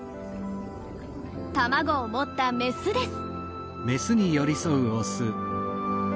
卵を持ったメスです。